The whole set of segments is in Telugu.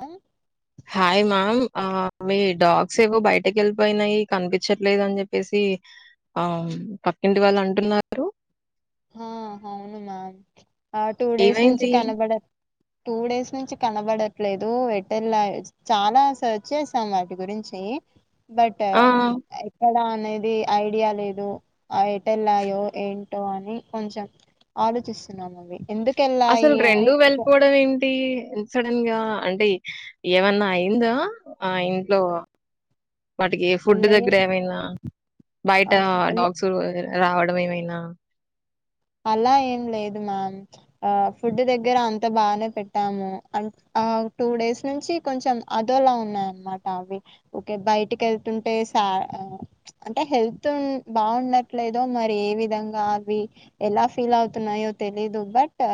ఆ హాయ్ మామ్ ఆ మీ డాగ్స్ ఏవో బయటకి వెళ్ళిపోయినాయి కనిపించట్లేదు అని చెప్పేసి ఆ పక్కింటి వాళ్ళు అంటున్నారు హా హవును మామ్ ఆ టూ డేస్ నుంచి ఏమైంది? కనబడ టూ డేస్ నుంచి కనబడట్లేదు వెట్టలాయో చాలా సర్చ్ చేసాం వాటి గురించి బట్ ఆ! ఎక్కడ అనేది ఐడియా లేదు ఆ ఎటెల్లాయో ఏంటో అని కొంచెం ఆలోచిస్తున్నాం అవి ఎందుకు అసలు వెళ్ళాయి అని రెండూ ఒక వెళ్ళిపోవడం ఏంటి సడన్ గా అంటే ఏమన్నా అయిందా ఆ ఇంట్లో వాటికి ఫుడ్ లే దగ్గర ఏమైనా బయట ఆహా! డాగ్స్ రావడం నువ్వేమైనా అలా ఏం లేదు మ్యామ్ ఆ ఫుడ్ దగ్గర అంత బానే పెట్టాము అ ఆ టూ డేస్ నుంచి కొంచెం అదోలా ఉన్నాయిన్నమాట అవి ఓకే బయటికి వెళ్తుంటే సా అ ప్చ్ అంటే హెల్త్ బాగుండట్లేదో మరి ఏ విధంగా అవి ఎలా ఫీల్ అవుతున్నాయో తెలీదు బట్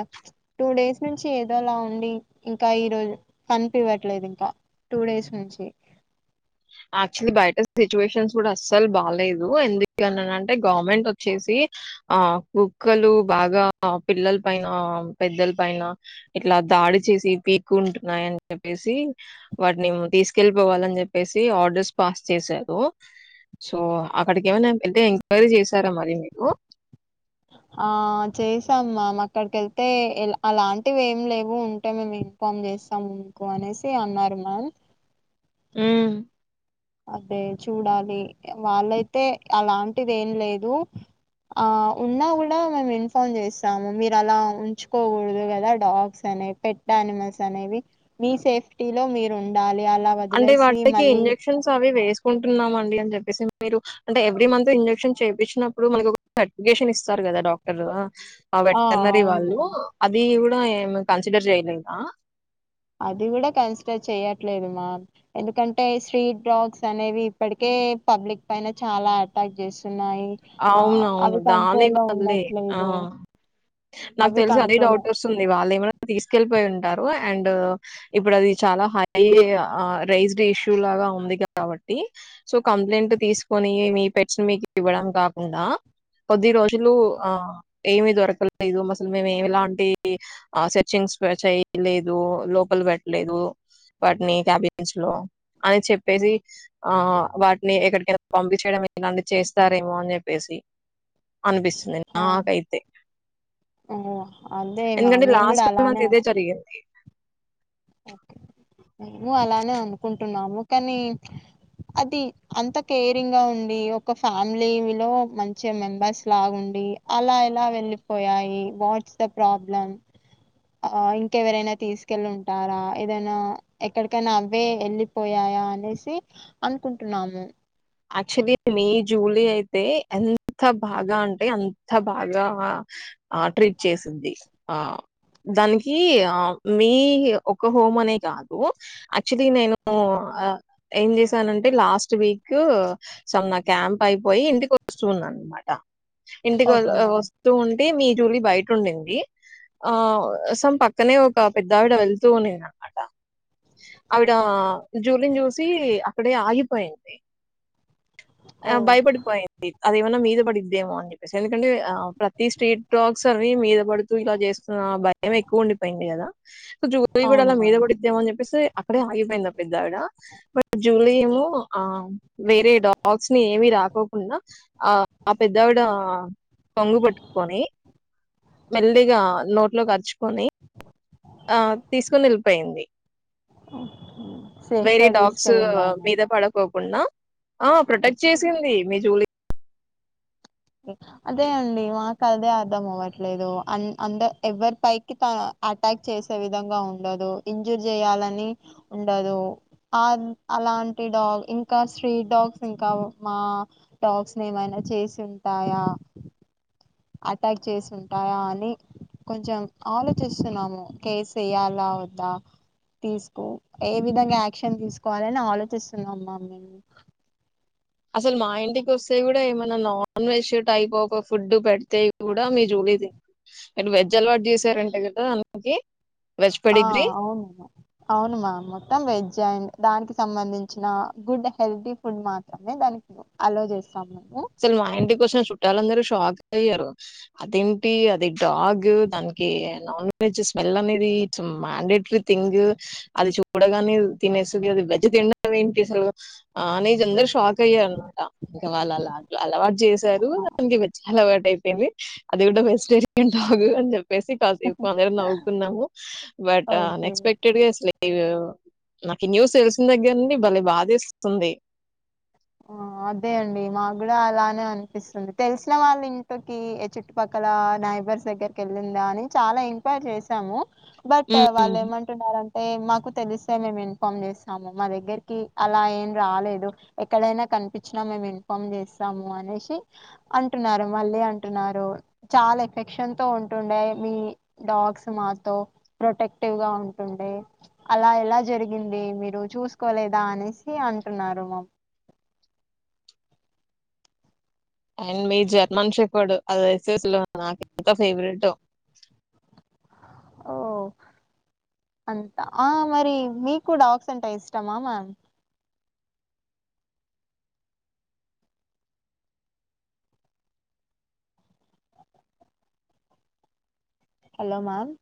ట డేస్ నుంచి ఏదోలా ఉండి ఇంకా ఈరోజు కనిపివ్వట్లేదు ఇంకా టూ డేస్ నుంచి యాక్చువలీ బయట సిచ్యువేషన్స్ కూడా అస్సలు బాలేదు ఎందుకని అంటే గవర్నమెంట్ వచ్చేసి ఆ కుక్కలు బాగా పిల్లల పైన పెద్దల పైన ఇట్లా దాడి చేసి పీకు ఉంటున్నాయ అని చెప్పేసి వాటిని తీసుకెళ్ళిపోవాలని చెప్పేసి ఆర్డర్స్ పాస్ చేసారు సో అక్కడికి ఏమ వెళ్తే ఎంక్వైరీ చేసారా మరి మీరు ఆ చేసాం మ్యామ్ అక్కడికి వెళ్తే ఎల అలాంటివి ఏమి లేవు ఉంటే మేము ఇన్ఫామ్ చేస్తాము మీకు అనేసి అన్నారు మమ్ ఊ అదే చూడాలి వాళ్ళయితే అలాంటిది ఏం లేదు ఆ ఉన్నా కూడా మేము ఇన్ఫామ్ చేస్తాము మీరు అలా ఉంచుకోకూడదు కదా డాగ్స్ అనేవి పెట్ ఆనిమల్స్ అనేవి మీ సేఫ్టీలో మీరు ఉండాలి అలా అంటే వదిలేసి వాటికి మళ్ళీ ఇంజెక్షన్స్ అవి వేస్ తీసుకుంటున్నాంమండి అని చెప్పేసి మీరు అంటే ఎవ్రీ మంత్ ఇంజెక్షన్ చెపించినప్పుడు మనకి ఒక సర్టిఫికేషన్ ఇస్తారు కదా డాక్టర్ ఆ వెటర్నరీ అవును వాళ్ళు మ్యామ్ అది కూడ నో ఏం కన్సిడర్ చేయలేదా అది కూడా కన్సిడర్ చెయట్లేదు మామ్ ఎందుకంటే స్ట్రీట్ డ్రాగ్స్ అనేవి ఇప్పటికే పబ్లిక్ పైన చాలా ఆటాక్ చేస్తు అవును అవును దాని వాళ్ళే ఆ ఉండట్లేదు నాకు అవి తెలిసి అదే కంట్రోల్ డౌట్ వస్తుంది వాళ్ళు ఏమైనా తీసుకెళ్ళిపోయి ఉంటా అండ్ ఇప్పుడు అది చాలా హై రైజ్డ్ ఇష్యూ లాగా ఉంది కాబట్టి సో కంప్లైంట్ తీసుకొని మీ పెట్స్ని మీకు ఇవ్వడా కాకుండా కొద్ది రోజులు ఆ ఏమి దొరకలేదు అసలు మేముమిలాంటి సెర్చింగ్స్ చేయలేదు లోపల పెట్టలేదు వాటిని క్యాబిన్స్ లో అని చెప్పేసి ఆ వాటిని ఎక్కడికైనా పంపిచేయడం ఎలాంటి చేస్తారు డేమో అని జెప్పేసి అనిపిస్తుంది నాకైతే అదే ఎందుకంటే మ్యామ్ మేము లాస్ట్ కూడా మంత్ అలానే ఇదే జరిగింది మేము అలానే అనుకుంటున్నాము కానీ అది అంత కేరింగ్ గా ఉండి ఒక ఫ్యామిలీలో మంచి మెంబర్స్ లాగా ఉండి అలా ఎలా వెళ్ళిపోయాయి వాట్స్ ద ప్రాబ్లం ఇంకెవరైనా తీసుకెళ్ళు అంటారా ఏదైనా ఎక్కడికైనా అవే ఎళ్ళిపోయాయా అనేసి అనుకుంటున్నాము యాక్చువలీ మీ జూలీ అయితే ఎంత బాగా అంటే అంత బాగా ట్రీట్ చేసింది ఆ దానికి ఆ మీ ఒక హోమ్ అనే కాదు యాక్చువలీ నేను ఏం చేశానంటే లాస్ట్ వీక్ కు అసలు నా క్యాంప్ అయిపోయి ఇంటికి వస్తున్న అన్మాట ఇంటికి ఓకే మ్యామ్ వస్తు ఉ తే మీ జూలి బయటుండింది ఆ సమ్ పక్కనే ఒక పెద్ద ఆవిడ వెళ్తూ ఉండిది అన్మాట ఆవిడ జూలిని చూసి అక్కడే ఆగిపోయింది ఓ ఆ భయపడిపోయింది అదే ఏమన్నా మీద పడిద్దేమో అని జెప్ ఎందుకంటే ఆ ప్రతి స్ట్రీట్ డ్రాగ్స్ అవి మీద పడుతూ ఇలా చేస్తున్న బ ఏమో ఎక్కువ ఉండిపోయింది కదా సో జూలీ కూడా అవును అలా మీద మ్యామ్ పడిద్దేమో అని చెప్పేసి అక్కడే ఆగిపోయిందా పెద్ద ఆవిడ బట్ జూలీ ఏమో ఆ వేరే డాగ్స్ ని ఏమి రాకోకుండా ఆ ఆ పెద్దవిడ కొంగు పట్టుకొని మెల్లిగా నోట్లోకరుచుకొని ఆ తీసుకుని వెళ్ళిపోయింది ఓకె సేఫ్గా తీసుకెళ్ళిందామా ఉన్నా ఆ ప్రొటెక్ట్ చేసింది మీ జూలి అదే అండి మా కదే అర్ధం అవ్వట్లేదు అన్ అంద ఎవరి పైకి త అటాక్ చేసే విధంగా ఉండదు ఇంజూర్ చేయాలని ఉండదు ఆ అలాంటి డాగ్ ఇంకా స్ట్రీట్ డాగ్స్ ఇంకా మా డాగ్స్ ని ఏమైనా చేసున్ టయా అటాక్ చేసి ఉంటాయా అని కొంచెం ఆలోచిస్తున్నాము కేసు ఏయాలా వద్దా తీసుకో ఏ విధంగా యాక్షన్ తీసుకోవాలని ఆలోచిస్తున్నాంమ్మా మేము అసలు మా ఇంటికి వస్తే కూడా ఏమన్నా non veg type of food పెడితే కూడా మీ జూలీది మీరు వెజ్ అలవాటు చేసారంట కదా అందుకి ఆ అవునుమా అవును మ్యామ్ మొత్తం వెజ్ అండ్ దానికి సంబంధించిన గుడ్ హెల్తీ ఫుడ్ మాత్రమే దానికి అలో చేస్ అసలు మా ఇంటి కోచిన చుట్టాలు అందరు షా షాక్ అయ్యారు అదేంటి అది డాగ్ దానికి నాన్ వెజ్ స్మెల్ అనేది ఇట్స్ మాండేటరీ థింగ్ అది చూడగానే తినేస్తది అది వెజ్ తినడం ఏంటసలు ఆ నీ జందరు షాక్ అయ్య [unintelligible] ఇంక న అలవాటు చేశారు దానికి వచ్చి అలవాట్ ఐపేంది అది కూడా ప్రేస్టేజి ఉంటాగు అని చె సి కాసేపు అందరము నవ్వుకున్నాము బట్ అన్ ఓకే ఎక్స్పెక్టెడ్ గా అసలేం ఇగో నాకు ఈ న్యూస్ తెలిసినదగ్గర్నుండి భలే బాధేస్తుంది ఆ అదే అండి మాకు కూడా అలానే అనిపిస్తుంది తెలిసిన వాళ్ళ ఇంటికి ఇక చుట్టుపక్కల నైబర్స్ దగ్గరికి వెళ్ళిందా అని చాలా ఎంక్వైరీ చేశాము బట్ ఉమ్. వాళ్ళేమంటున్నారు అంట్ ఈ మాకు తెలిస్తే మేము ఇన్ఫార్మ్ చేస్తాము మా దగ్గరికి అలా ఏం రాలేదు ఎక్కడైనా కనిపించినా మేము ఇన్ఫార్మ్ చేస్తాము అనేసి అంటున్నారు మళ్ళీ అంటున్నారు చాలా ఎఫెక్షన్ తో ఉంటుండే మీ డాగ్స్ మాతో ప్రొటెక్టివ్ గా ఉంటుండే అలా ఎలా జరిగింది మీరు చూసుకోలేదా అనేసి అంటున్నారు మా అండ్ మీ జర్మన్ షెపడ్ అది ఐతే అసలు నాకు ఎంత ఫేవరెట్టో ఓ అంతా ఆ మరి మీకు డాగ్స్ అంటా ఇష్టమా మ్యామ్ హలో మ్యామ్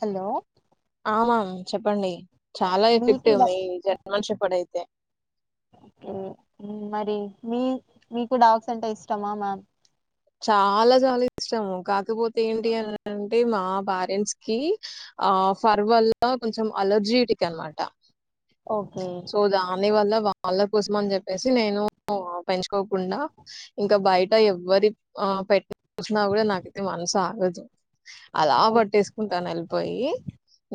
హలో ఆ మామ్ చెప్పండి చాలా మీకు ఎఫెక్టివ్ డా మీ జర్మన్ షెప పడైతే మ్ మరి మీ మీకు డాగ్స్ అంటా ఇష్టమా మ్యామ్? చాలా చాలా ఇష్టము కాకపోతే ఏంటి అని అంటే మా పేరెంట్స్ కి ఆ ఫర్ వల్ల కొంచెం అలర్జీటిక్ అనమాట ఓకే అని వల్ల వాళ్ళ కోసం అని చెప్పేసి నేను పెంచుకోకుండా ఇంకా బయట ఎవ్వరి ఆ పెట్టేసిన కూడా నాకైతే మనసు ఆగదు అలా ఓ పట్టేసుకుంటాన వెళ్ళిపోయి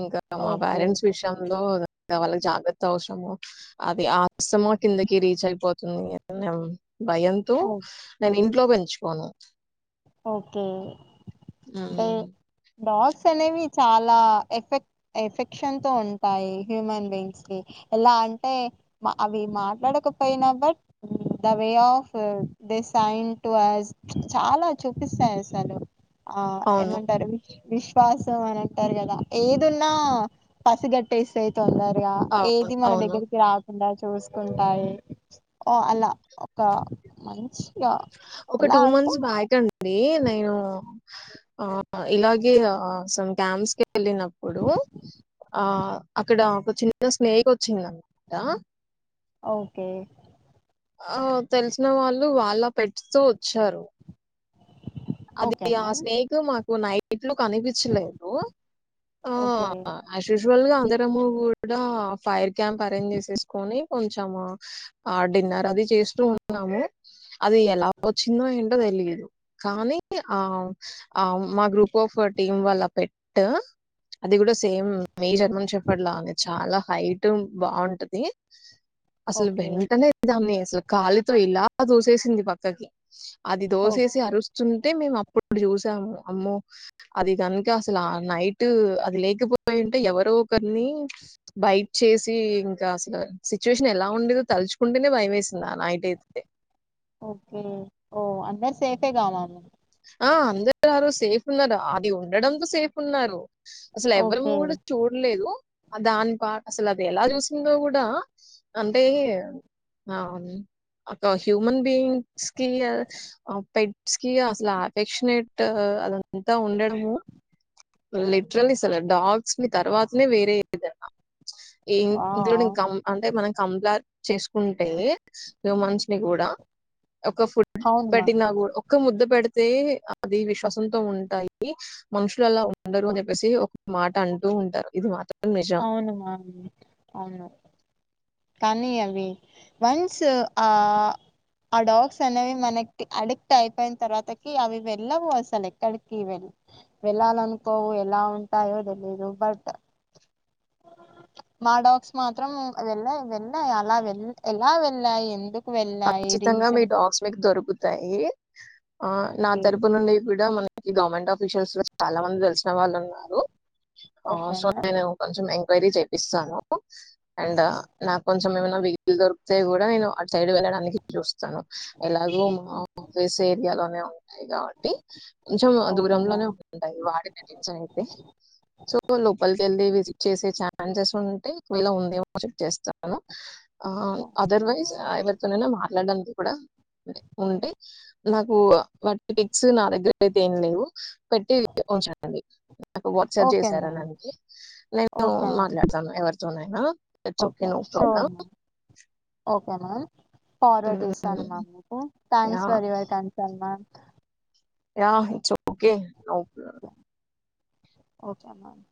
ఇంకా మా ఓకే పేరెంట్స్ విషయంలో ఇగ వాళ్ళ జాగ్రత్త అవసరము అది ఆక్స్మో కిందకి రీచ్ అయిపోతుంది భయంతో ఓ నేను ఇంట్లో పెంచుకోను ఓకే అంటే హ్మ్ డాగ్స్ అనేవి చాలా ఎఫెక్ ఎఫెక్షన్ తో ఉంటాయి హ్యూమన్ బీయింగ్స్ కి ఎలా అంటే అవి మాట్లాడకపోయినా but the way of sign to us చాలా చూపిస్తాయ్ అసలు ఆ అవును. ఏమంటారువి విశ్వాసం అని అంటారు కదా ఏదున్నా పసిగట్టేసే తొందరగా అవును. ఏది మన అవును. దగ్గరికి రాకుండా చు చూసుకుంటాయి ఓ అలా ఒక మంచి ఒక two months back and they నేను ఆ ఇలాగే ఆ సం క్యాంప్స్ కి వెళ్ళినప్పుడు ఆ అక్కడ ఒక చిన్న స్నేక్ వచ్చింది అనమాట ఓకే ఆ తెలిసిన వాళ్ళు వాళ్ళ పెట్స్ తో వచ్చారు అది ఓకే ఆ మ్యామ్ స్నేక్ మాకు నైట్ ఇట్లు కనిపించలేవు ఆ ఓకే అశుశొ ల్ అందరము కూడా ఫైర్ క్యాంప్ అరేంజ్ చేసేసుకొని కొంచెం ఆ డిన్నర్ అది చేస్తూ ఉన్నాము అది ఎలా వచ్చిందో ఏంటో తెలిదు కానీ ఆ ఆ మా గ్రూప్ ఆఫ్ టీమ్ వాళ్ళ పెట్్ అది కూడా సేమ్ మేజర్మెం చెప్పర్ లాగా చాలా హైట్ బాగుంటది అసలు ఓకే బెంటంనే దానిసలు కాలితో ఇలా దూసేసింది పక్కకి అది ఓ దోసేసి అరుస్తుంది అంటే మేము అప్పటినుండి చూసాము అమ్మో అది కనుక అసలు ఆ నైట్ అది లేకపోయింటే ఎవరో ఒకరిని బైట్ చేసి ఇంకా అసలు సిచ్యువేషన్ ఎలా ఉండేదో తలుచుకుంటేనే భయం వేసింది ఆ నైట్ అయితే ఓకే ఓ అందరు సేఫే కావాము ఆ అందరు ఆరు సేఫ్ ఉన్నారు అది ఉండడంతో సేఫ్ ఉన్నారు అసలు ఎవరి ఓకే కూడా చూడలేదు దాని పా అసలు అది ఎలా చూసిందో కూడా అంటే ఆ ఒక హ్యూమన్ బీయింగ్స్ కి పెట్స్ కి అసలు సలా అఫెక్షనెట్ అదంతా ఉండడము లిటరల్లి అసలు డాగ్స్ ని తర్వాతనే వేరే ఏదన్నా ఆ ఇంక్లూడింగ్ కం అంటే మనకి కంలా చేసుకుంటే హ్యూమన్స్ ని కూడా ఒక ఫుడ్ అవును మ్యామ్ పెట్టినా కూడా క ముద్దు పెడితే అతే అది విశ్వాసంతో ఉంటాయి మనుషులు అలా ఉండరు అని చెప్పేసి ఒక మాట అంటూ ఉంటారు ఇది మాత్రం నిజం అవునువును అవును కానీ అవి వన్స్ ఆ ఆ డాగ్స్ అనేవి మనకి అడిక్ట్ అయిపోయిన తర్వాతకి అవి వెళ్ళవు అసలు ఎక్కడికి వె వెళ్ళాలి అనుకోవు ఎలా ఉంటాయో తెలియదు బట్ మా డాగ్స్ మాత్రం వెళ్ళాయి వెళ్ళాయి అలా వె ఎలా వెళ్ళాయి ఎందుకు వెళ్ళాయి ఖచ్చితంగా మీ రీజన్ డాగ్స్ మీకు దొరుకుతు తాయి ఆ నా తరపు నుండి కూడా మన మనకి గవర్నమెంట్ ఆఫీషియల్స్ లో చాలా మంది తెలిసిన వాళ్ళు ఉన్నారు స ఓకేనా కొంచం ఎంక్వైరీ ఇస్తాను అండ్ నాకు కొంచెం ఏమైనా వెహిగిలు దొరికితే కూడా నేను సైడ్ వెళ్ళడానికి చూస్తాను ఎలాగో మా ఆఫస్ ఏరియాలోనే కాబట్టి కొంచెం ఓకే దూరంలోనే మ్యామ్ ఉంటాయి వాడి నించ అయితే సో లోపలి వెళ్ళి విజిట్ చేసే ఛాన్సెస్ ఉంటే ఇలా ఉంది చేస్త ఓకే అదర్వైస్ మ్యామ్ వర్ తొనైనా మాట్లాడడానికి కూడా ఉంటే నాకు వాటి టిక్స్ నా దగ్గర అయితే ఏం లేవు పెట్టి ఉంచనండి నా వాట్సాప్ ఓకే మ్యామ్ చేసారనికి నేను ఓకే మ్యామ్ మాట్లాడతాను ఎవరి తొనైన చొకే నో ప్రోబ్లమ్ ఓకేనా ఫార్వర్డ్ చేస్తాను మ్యామ్ మీకు yeah thanks for your console ma'am yeah చెప్పు ఓకే ఒకే నా ఒకే మ్యామ్